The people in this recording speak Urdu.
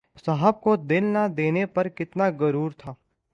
صاحب کو دل نہ دینے پہ کتنا غرور تھا